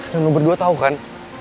dan lo berdua tau kan